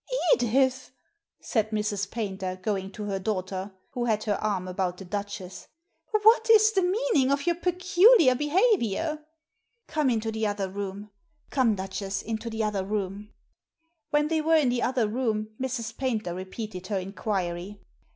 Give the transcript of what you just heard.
" Edith," said Mrs. Paynter, going to her daughter, who had her arm about the Duchess, "^ what is the meaning of your peculiar behaviour ?"" Come into the other room ! Come, Duchess, into the other room." When they were in the other room, Mrs. Paynter repeated her inquiry.